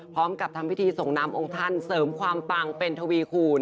พร้อมกับทำพิธีส่งน้ำองค์ท่านเสริมความปังเป็นทวีคูณ